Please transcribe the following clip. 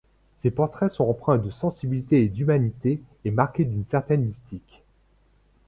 Ses portraits sont empreints de sensibilité et d'humanité, et marqués d'une certaine mystique.